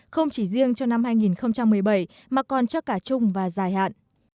không chỉ riêng cho năm hai nghìn một mươi bảy mà còn cho cả chung và dài hạn